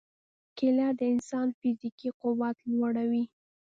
کېله د انسان فزیکي قوت لوړوي.